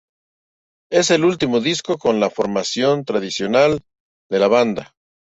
Es el último disco con la formación tradicional de la banda.